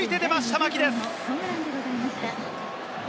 牧です。